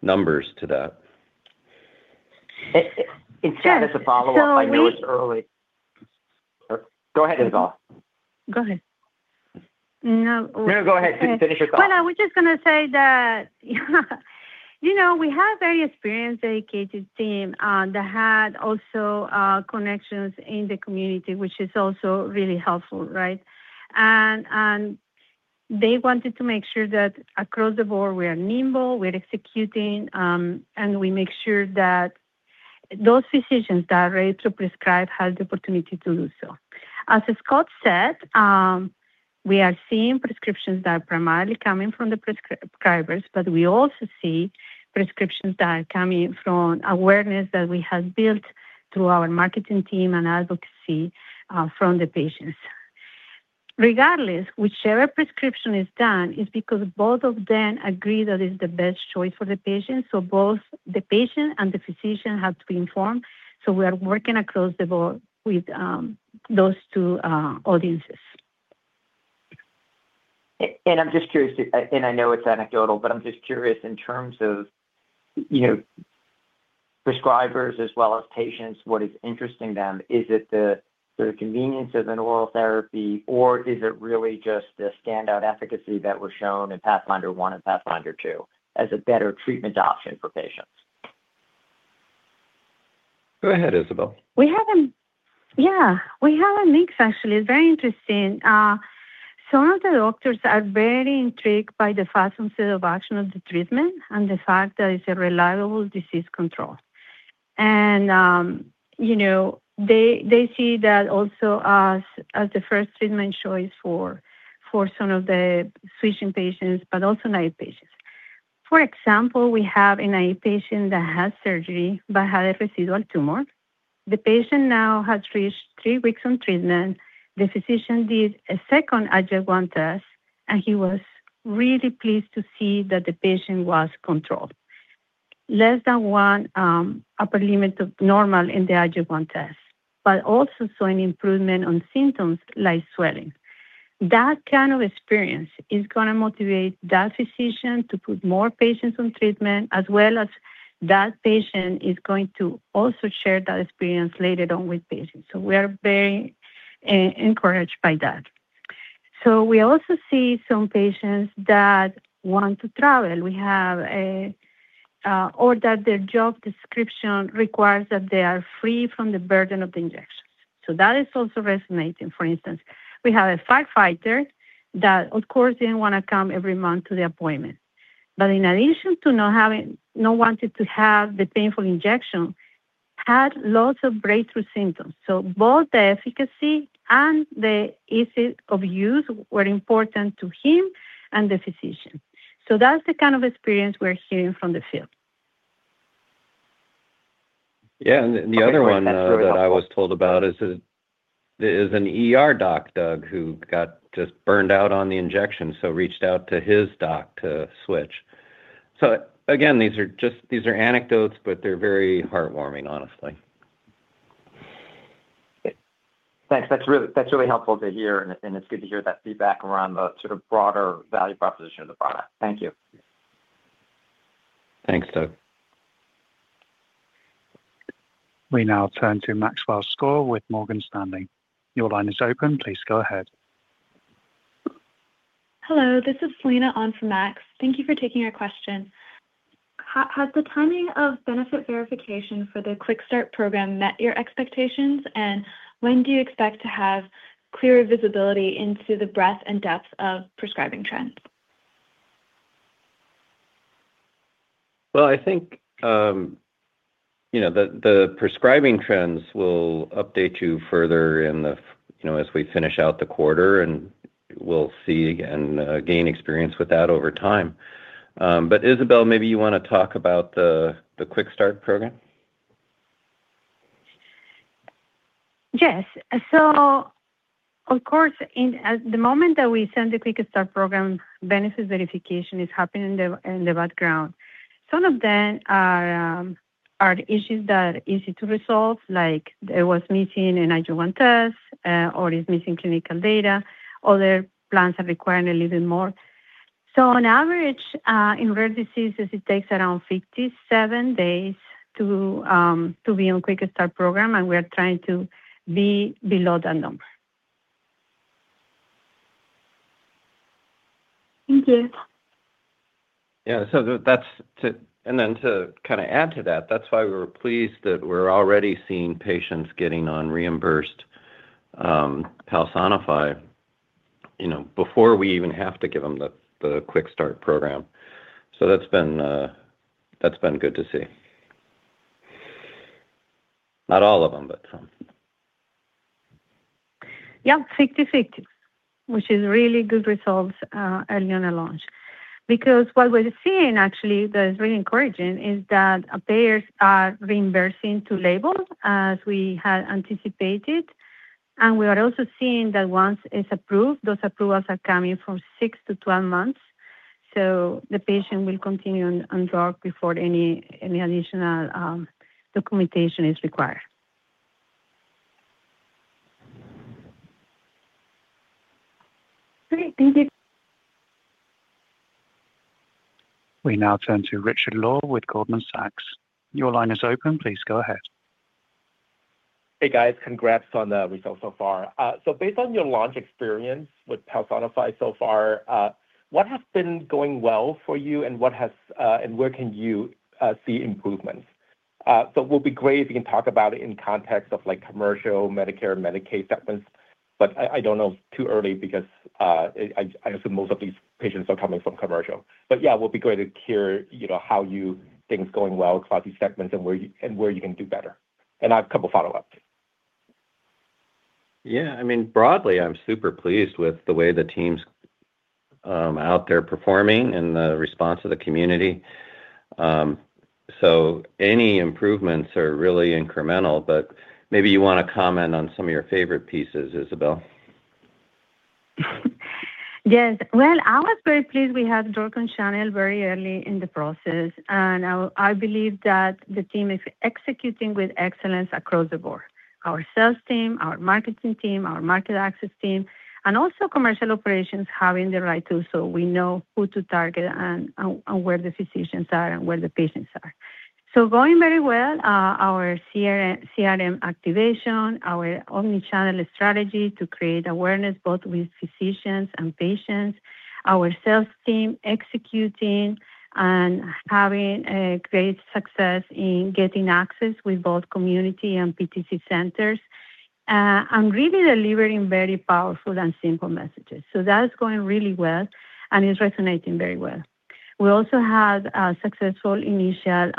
Numbers to that. It's just as a follow-up. I know it's early. Go ahead, Isabel. Go ahead. No, go ahead. Finish your thought. Well, I was just going to say that. We have very experienced educated team that had also connections in the community, which is also really helpful, right? And. They wanted to make sure that across the board, we are nimble, we're executing, and we make sure that. Those physicians that are ready to prescribe have the opportunity to do so. As Scott said. We are seeing prescriptions that are primarily coming from the prescribers, but we also see prescriptions that are coming from awareness that we have built through our marketing team and advocacy from the patients. Regardless, whichever prescription is done, it's because both of them agree that it's the best choice for the patient. So both the patient and the physician have to be informed. So we are working across the board with. Those two audiences. And I'm just curious, and I know it's anecdotal, but I'm just curious in terms of. Prescribers as well as patients, what is interesting to them? Is it the convenience of an oral therapy, or is it really just the standout efficacy that was shown in Pathfinder One and Pathfinder Two as a better treatment option for patients? Go ahead, Isabel. Yeah. We have a mix, actually. It's very interesting. Some of the doctors are very intrigued by the first set of action of the treatment and the fact that it's a reliable disease control. And. They see that also. As the first treatment choice for. Some of the switching patients, but also NIH patients. For example, we have an NIH patient that had surgery but had a residual tumor. The patient now has reached three weeks on treatment. The physician did a second IJ1 test, and he was really pleased to see that the patient was controlled. Less than one. Upper limit of normal in the IJ1 test, but also saw an improvement on symptoms like swelling. That kind of experience is going to motivate that physician to put more patients on treatment, as well as that patient is going to also share that experience later on with patients. So we are very. Encouraged by that. So we also see some patients that want to travel. Or that their job description requires that they are free from the burden of the injections. So that is also resonating. For instance, we have a firefighter that, of course, didn't want to come every month to the appointment. But in addition to not. Wanting to have the painful injection. Had lots of breakthrough symptoms. So both the efficacy and the ease of use were important to him and the physician. So that's the kind of experience we're hearing from the field. Yeah. And the other one that I was told about is. An doc, Doug, who got just burned out on the injection, so reached out to his doc to switch. So again, these are anecdotes, but they're very heartwarming, honestly. Thanks. That's really helpful to hear, and it's good to hear that feedback around the sort of broader value proposition of the product. Thank you. Thanks, Doug. We now turn to Maxwell Skor with Morgan Stanley. Your line is open. Please go ahead. Hello. This is Selena on for Max. Thank you for taking our question. Has the timing of benefit verification for the Quick Start program met your expectations, and when do you expect to have clearer visibility into the breadth and depth of prescribing trends? Well, I think. The prescribing trends will update you further as we finish out the quarter, and we'll see and gain experience with that over time. But Isabel, maybe you want to talk about the Quick Start program? Yes. So, of course, at the moment that we send the Quick Start program, benefit verification is happening in the background. Some of them are. Issues that are easy to resolve, like there was missing an IJ1 test or it's missing clinical data. Other plans are requiring a little bit more. So on average, in rare diseases, it takes around 57 days to. Be on Quick Start program, and we are trying to. Be below that number. Thank you. Yeah. And then to kind of add to that, that's why we were pleased that we're already seeing patients getting on reimbursed. Palsanafy. Before we even have to give them the Quick Start program. So that's been. Good to see. Not all of them, but some. Yeah. 50-50, which is really good results early on a launch. Because what we're seeing, actually, that is really encouraging is that payers are reimbursing to label as we had anticipated. And we are also seeing that once it's approved, those approvals are coming for 6-12 months. So the patient will continue on drug before any additional. Documentation is required. Great. Thank you. We now turn to Richard Law with Goldman Sachs. Your line is open. Please go ahead. Hey, guys. Congrats on the results so far. So based on your launch experience with Palsanafy so far, what has been going well for you, and what has. And where can you see improvements? So it will be great if you can talk about it in context of commercial Medicare and Medicaid segments. But I don't know if it's too early because. I assume most of these patients are coming from commercial. But yeah, it will be great to hear how things are going well across these segments and where you can do better. And I have a couple of follow-ups. Yeah. I mean, broadly, I'm super pleased with the way the team's. Out there performing and the response of the community. So any improvements are really incremental, but maybe you want to comment on some of your favorite pieces, Isabel. Yes. Well, I was very pleased we had Drug on Channel very early in the process. And I believe that the team is executing with excellence across the board: our sales team, our marketing team, our market access team, and also commercial operations having the right tools so we know who to target and where the physicians are and where the patients are. So going very well, our CRM activation, our omnichannel strategy to create awareness both with physicians and patients, our sales team executing and having great success in getting access with both community and PTC centers. And really delivering very powerful and simple messages. So that's going really well, and it's resonating very well. We also had a successful initial.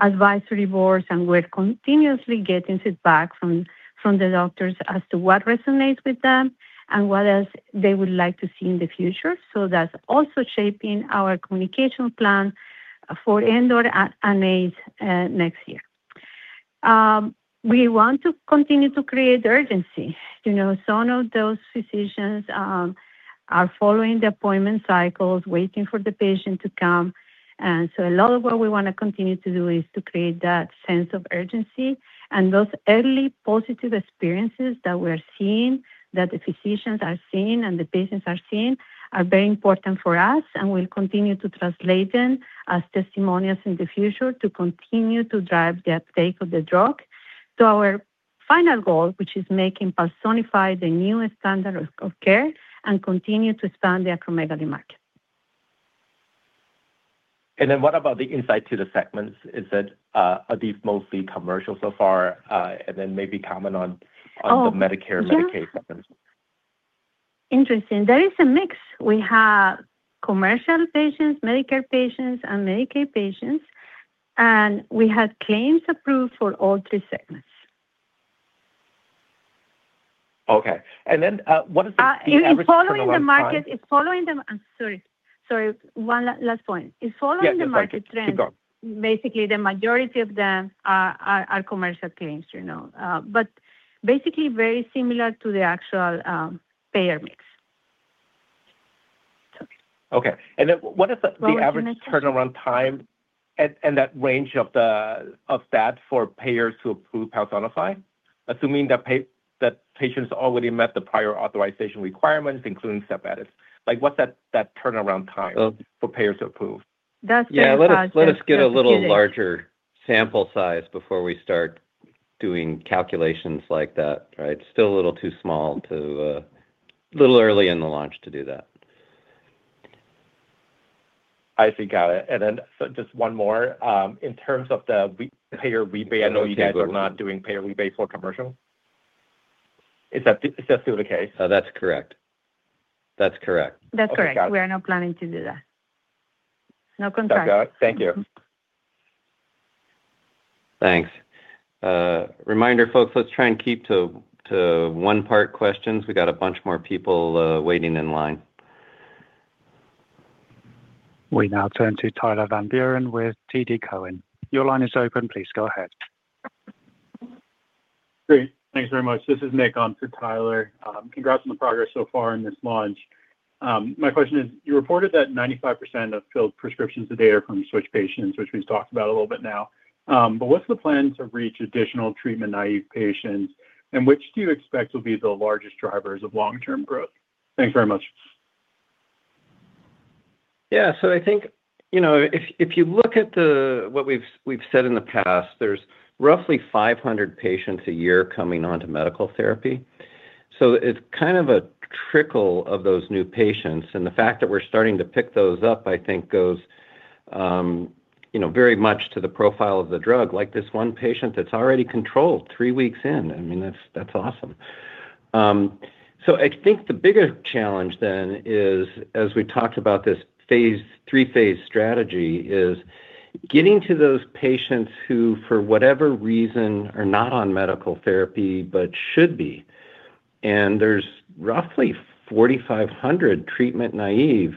Advisory board, and we're continuously getting feedback from the doctors as to what resonates with them and what else they would like to see in the future. So that's also shaping our communication plan. For <inaudible> next year. We want to continue to create urgency. Some of those physicians. Are following the appointment cycles, waiting for the patient to come. And so a lot of what we want to continue to do is to create that sense of urgency. And those early positive experiences that we are seeing, that the physicians are seeing and the patients are seeing, are very important for us, and we'll continue to translate them as testimonials in the future to continue to drive the uptake of the drug to our final goal, which is making Palsanafy the newest standard of care and continue to expand the acromegaly market. And then what about the insight to the segments? Are these mostly commercial so far? And then maybe comment on the Medicare and Medicaid segments. Interesting. There is a mix. We have commercial patients, Medicare patients, and Medicaid patients. And we had claims approved for all three segments. Okay. And then what is the average trend? It's following the market. Sorry. Sorry. One last point. It's following the market trend. Basically, the majority of them are commercial claims. But basically, very similar to the actual. Payer mix. Okay. And then what is the average turnaround time and that range of. That for payers to approve Palsanafy, assuming that. Patients already met the prior authorization requirements, including step edits. What's that turnaround time for payers to approve? That's very much the. Yeah. Let us get a little larger sample size before we start doing calculations like that, right? Still a little too small. A little early in the launch to do that. I see. Got it. And then just one more. In terms of the payer rebate, I know you guys are not doing payer rebate for commercial. Is that still the case? That's correct. That's correct. That's correct. We are not planning to do that. No contract. Thank you. Thanks. Reminder, folks, let's try and keep to. One-part questions. We got a bunch more people waiting in line. We now turn to Tyler Van Buren with TD Cowen. Your line is open. Please go ahead. Great. Thanks very much. This is Nick on for Tyler. Congrats on the progress so far in this launch. My question is, you reported that 95% of filled prescriptions today are from switch patients, which we've talked about a little bit now. But what's the plan to reach additional treatment-naive patients, and which do you expect will be the largest drivers of long-term growth? Thanks very much. Yeah. So I think. If you look at what we've said in the past, there's roughly 500 patients a year coming on to medical therapy. So it's kind of a trickle of those new patients. And the fact that we're starting to pick those up, I think, goes. Very much to the profile of the drug, like this one patient that's already controlled three weeks in. I mean, that's awesome. So I think the bigger challenge then is, as we talked about this three-phase strategy, is getting to those patients who, for whatever reason, are not on medical therapy but should be. And there's roughly 4,500 treatment NIH,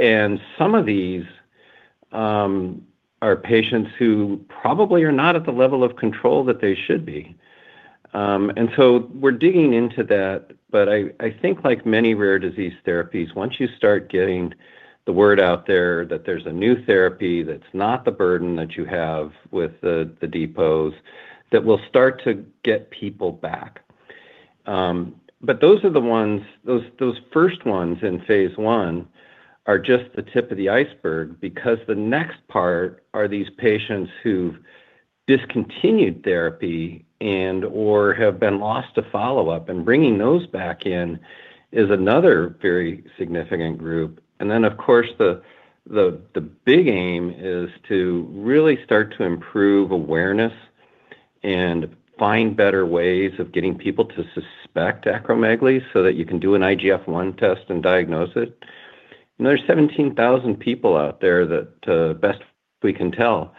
and some of these. Are patients who probably are not at the level of control that they should be. And so we're digging into that. But I think, like many rare disease therapies, once you start getting the word out there that there's a new therapy that's not the burden that you have with the depots, that will start to get people back. But those are the ones—those first ones in phase I—are just the tip of the iceberg because the next part are these patients who've discontinued therapy and/or have been lost to follow-up. And bringing those back in is another very significant group. And then, of course, the. Big aim is to really start to improve awareness. And find better ways of getting people to suspect acromegaly so that you can do an IGF-1 test and diagnose it. And there's 17,000 people out there that, best we can tell,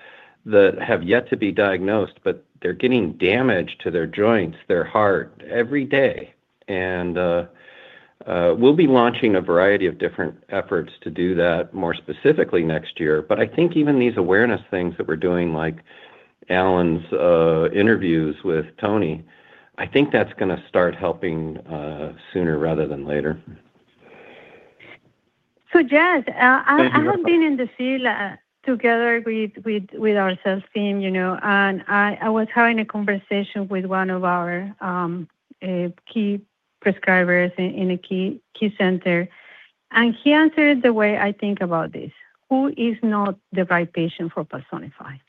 have yet to be diagnosed, but they're getting damage to their joints, their heart, every day. And. We'll be launching a variety of different efforts to do that more specifically next year. But I think even these awareness things that we're doing, like Alan's interviews with Tony, I think that's going to start helping. Sooner rather than later. So, Jaz, I have been in the field together with our sales team, and I was having a conversation with one of our. Key prescribers in a key center. And he answered the way I think about this: who is not the right patient for Palsanafy?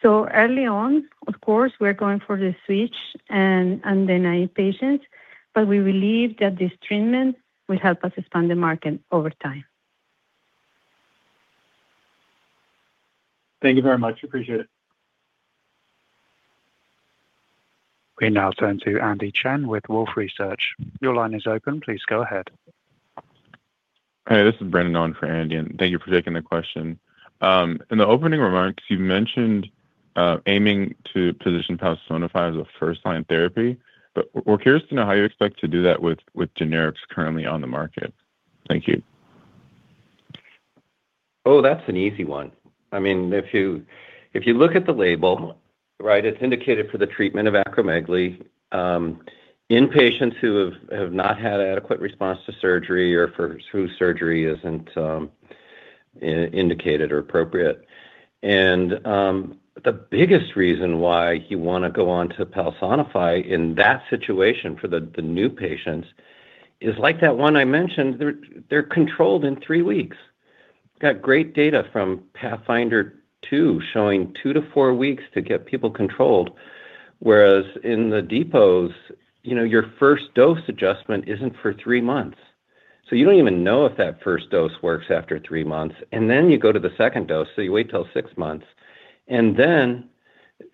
So early on, of course, we're going for the switch and the NIH patients, but we believe that this treatment will help us expand the market over time. Thank you very much. Appreciate it. We now turn to Andy Chen with Wolfe Research. Your line is open. Please go ahead. Hey, this is Brandon on for Andy. And thank you for taking the question. In the opening remarks, you mentioned. Aiming to position Palsanafy as a first-line therapy, but we're curious to know how you expect to do that with generics currently on the market. Thank you. Oh, that's an easy one. I mean, if you look at the label, right, it's indicated for the treatment of acromegaly. In patients who have not had adequate response to surgery or for whom surgery isn't. Indicated or appropriate. And. The biggest reason why you want to go on to Palsanafy in that situation for the new patients is like that one I mentioned. They're controlled in three weeks. Got great data from Pathfinder too showing two to four weeks to get people controlled, whereas in the depots, your first dose adjustment isn't for three months. So you don't even know if that first dose works after three months. And then you go to the second dose, so you wait till six months. And then.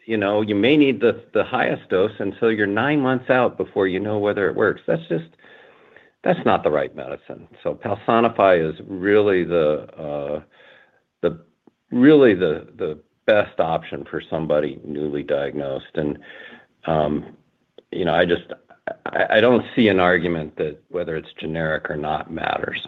You may need the highest dose, and so you're nine months out before you know whether it works. That's not the right medicine. So Palsanafy is really. The. Best option for somebody newly diagnosed. And. I don't see an argument that whether it's generic or not matters.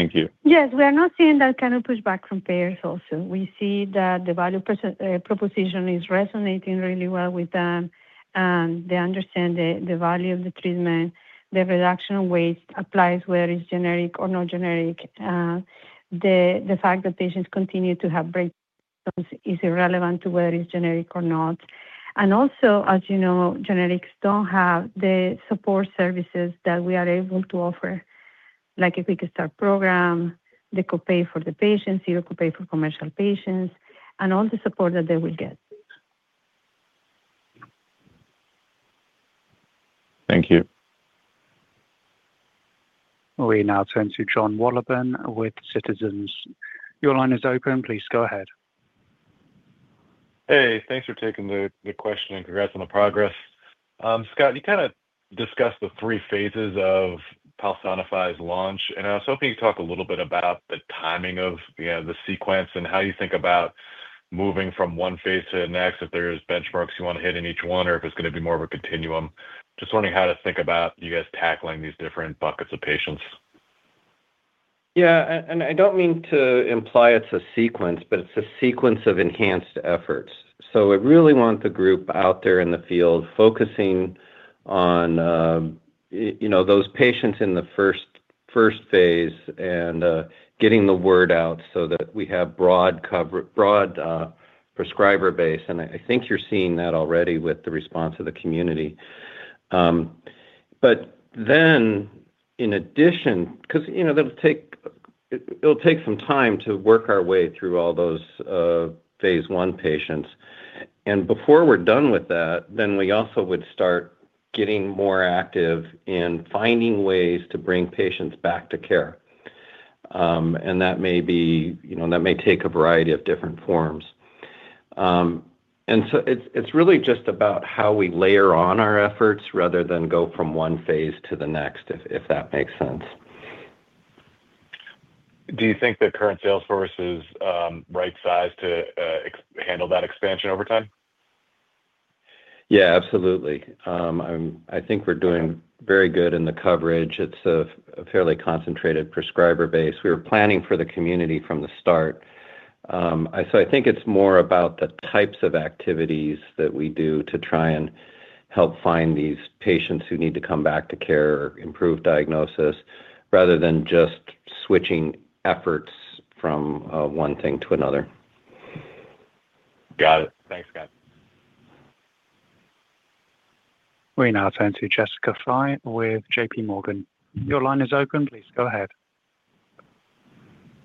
Thank you. Yes. We are not seeing that kind of pushback from payers also. We see that the value proposition is resonating really well with them, and they understand the value of the treatment. The reduction of weight applies whether it's generic or not generic. The fact that patients continue to have breakdowns is irrelevant to whether it's generic or not. And also, as you know, generics don't have the support services that we are able to offer, like a quick start program, the copay for the patients, zero copay for commercial patients, and all the support that they will get. Thank you. We now turn to John Wolleben with Citizens. Your line is open. Please go ahead. Hey, thanks for taking the question and congrats on the progress. Scott, you kind of discussed the three phases of Palsanafy's launch, and I was hoping you could talk a little bit about the timing of the sequence and how you think about moving from one phase to the next, if there are benchmarks you want to hit in each one, or if it's going to be more of a continuum. Just wondering how to think about you guys tackling these different buckets of patients. Yeah. And I don't mean to imply it's a sequence, but it's a sequence of enhanced efforts. So I really want the group out there in the field focusing on. Those patients in the first phase and getting the word out so that we have broad. Prescriber base. And I think you're seeing that already with the response of the community. But then, in addition, because it'll take. Some time to work our way through all those. Phase I patients. And before we're done with that, then we also would start getting more active in finding ways to bring patients back to care. And that may be, that may take a variety of different forms. And so it's really just about how we layer on our efforts rather than go from one phase to the next, if that makes sense. Do you think the current sales force is right-sized to. Handle that expansion over time? Yeah, absolutely. I think we're doing very good in the coverage. It's a fairly concentrated prescriber base. We were planning for the community from the start. So I think it's more about the types of activities that we do to try and help find these patients who need to come back to care or improve diagnosis rather than just switching efforts from one thing to another. Got it. Thanks, Scott. We now turn to Jessica Fye with JPMorgan. Your line is open. Please go ahead.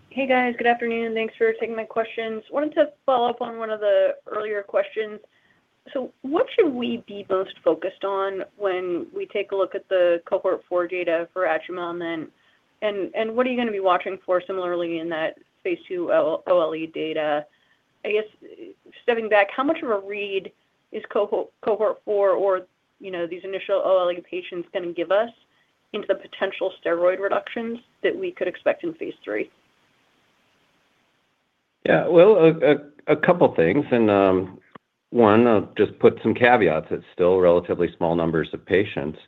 Hey, guys. Good afternoon. Thanks for taking my questions. Wanted to follow up on one of the earlier questions. So what should we be most focused on when we take a look at the cohort four data for atrium element? And what are you going to be watching for similarly in that phase II OLE data? I guess, stepping back, how much of a read is cohort four or these initial OLE patients going to give us into the potential steroid reductions that we could expect in phase III? Yeah. A couple of things. One, I'll just put some caveats. It's still relatively small numbers of patients.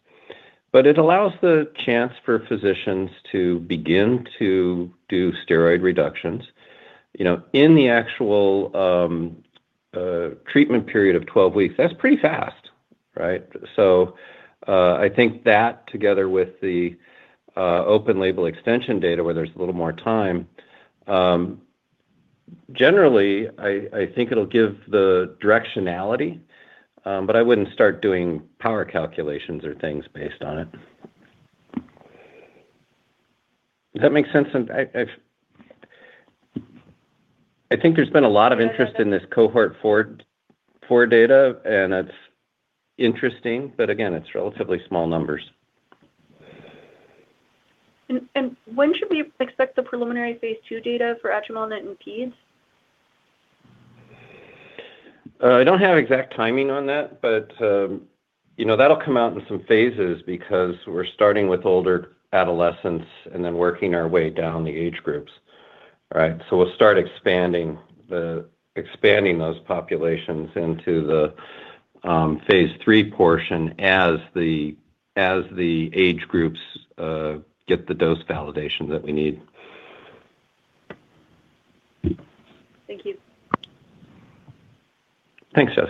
It allows the chance for physicians to begin to do steroid reductions. In the actual treatment period of 12 weeks, that's pretty fast, right? I think that together with the open label extension data, where there's a little more time, generally, I think it'll give the directionality. I wouldn't start doing power calculations or things based on it. Does that make sense? I think there's been a lot of interest in this cohort four data, and it's interesting. Again, it's relatively small numbers. And when should we expect the preliminary phase II data for atrium element and PEDS? I don't have exact timing on that, but. That'll come out in some phases because we're starting with older adolescents and then working our way down the age groups, right? So we'll start expanding. Those populations into the. Phase III portion as the. Age groups get the dose validation that we need. Thank you. Thanks, Jess.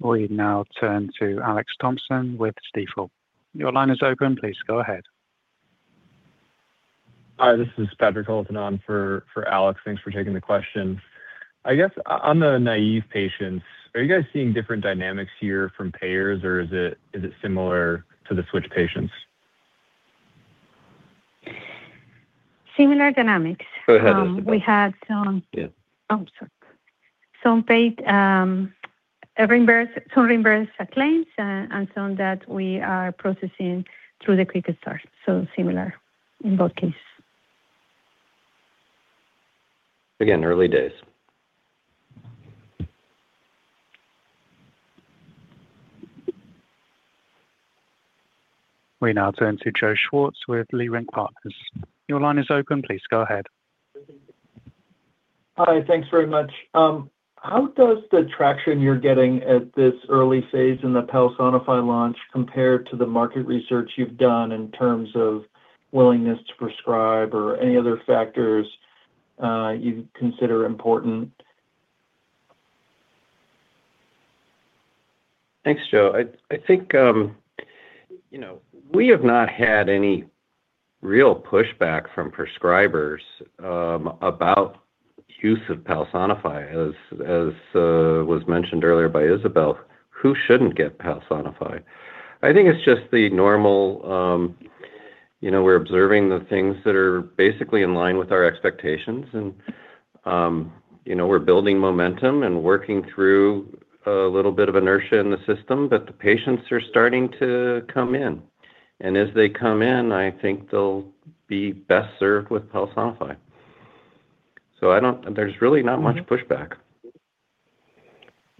We now turn to Alex Thompson with Stifel. Your line is open. Please go ahead. Hi. This is Patrick Culliton on for Alex. Thanks for taking the question. I guess on the NIH patients, are you guys seeing different dynamics here from payers, or is it similar to the switch patients? Similar dynamics. Go ahead. We had some. Oh, sorry. Some reimbursed claims and some that we are processing through the quick start. So similar in both cases. Again, early days. We now turn to Joe Schwartz with Leerink Partners. Your line is open. Please go ahead. Hi. Thanks very much. How does the traction you're getting at this early phase in the Palsanafy launch compare to the market research you've done in terms of willingness to prescribe or any other factors. You consider important? Thanks, Joe. I think. We have not had any real pushback from prescribers. About. Use of Palsanafy, as. Was mentioned earlier by Isabel, who shouldn't get Palsanafy? I think it's just the normal. We're observing the things that are basically in line with our expectations, and. We're building momentum and working through. A little bit of inertia in the system, but the patients are starting to come in. And as they come in, I think they'll be best served with Palsanafy. So there's really not much pushback.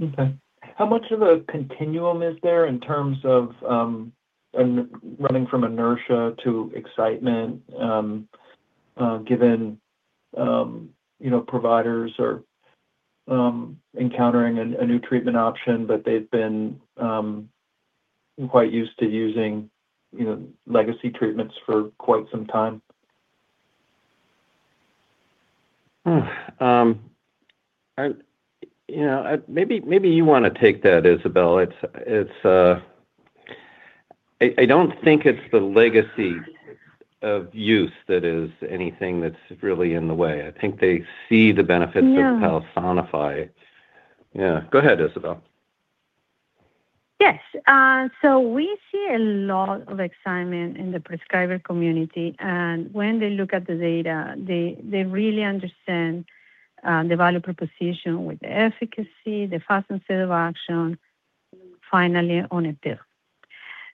Okay. How much of a continuum is there in terms of running from inertia to excitement, given providers are encountering a new treatment option, but they've been quite used to using legacy treatments for quite some time? Maybe you want to take that, Isabel. I don't think it's the legacy of use that is anything that's really in the way. I think they see the benefits of Palsanafy. Yeah. Go ahead, Isabel. Yes. We see a lot of excitement in the prescriber community. When they look at the data, they really understand the value proposition with the efficacy, the fastest set of action. Finally, on a pill.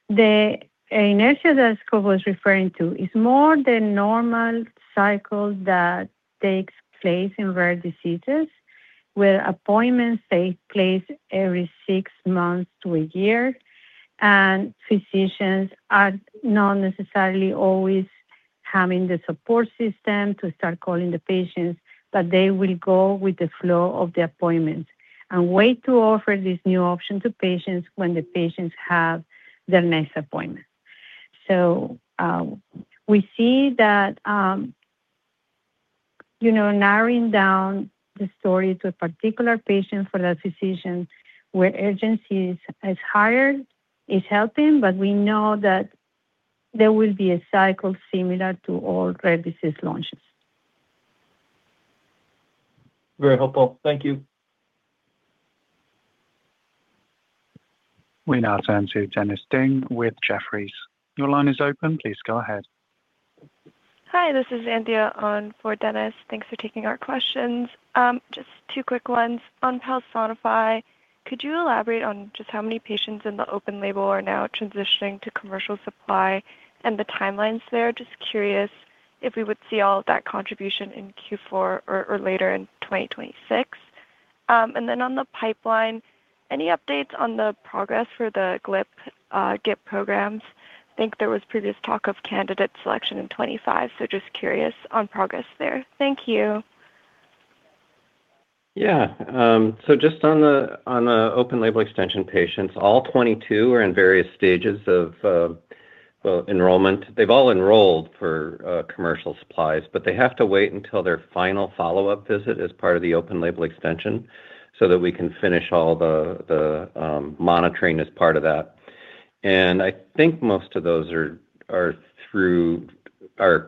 The inertia that Scott was referring to is more than normal cycles that take place in rare diseases where appointments take place every six months to a year, and physicians are not necessarily always having the support system to start calling the patients, but they will go with the flow of the appointments and wait to offer this new option to patients when the patients have their next appointment. We see that. Narrowing down the story to a particular patient for that physician where urgency is higher is helping, but we know that. There will be a cycle similar to all rare disease launches. Very helpful. Thank you. We now turn to Dennis Ding with Jefferies. Your line is open. Please go ahead. Hi. This is Andy on for Dennis. Thanks for taking our questions. Just two quick ones on Palsanafy. Could you elaborate on just how many patients in the open label are now transitioning to commercial supply and the timelines there? Just curious if we would see all of that contribution in Q4 or later in 2026. And then on the pipeline, any updates on the progress for the GLP program? I think there was previous talk of candidate selection in 2025, so just curious on progress there. Thank you. Yeah. So just on the open label extension patients, all 22 are in various stages of. Enrollment. They've all enrolled for commercial supplies, but they have to wait until their final follow-up visit as part of the open label extension so that we can finish all the. Monitoring as part of that. And I think most of those are.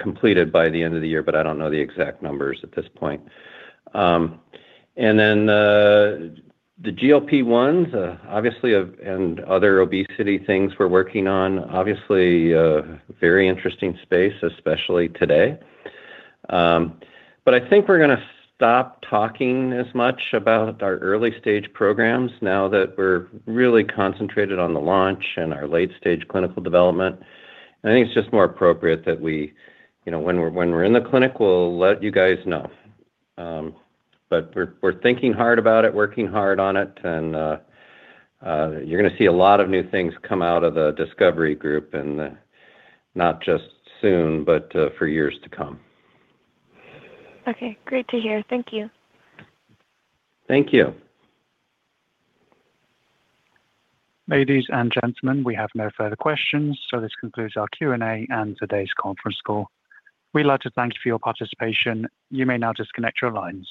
Completed by the end of the year, but I don't know the exact numbers at this point. And then. The GLP-1s, obviously, and other obesity things we're working on, obviously. Very interesting space, especially today. But I think we're going to stop talking as much about our early-stage programs now that we're really concentrated on the launch and our late-stage clinical development. And I think it's just more appropriate that. When we're in the clinic, we'll let you guys know. But we're thinking hard about it, working hard on it, and. You're going to see a lot of new things come out of the discovery group, and. Not just soon, but for years to come. Okay. Great to hear. Thank you. Thank you. Ladies and gentlemen, we have no further questions. So this concludes our Q&A and today's conference call. We'd like to thank you for your participation. You may now disconnect your lines.